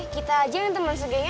kita aja yang temen segengnya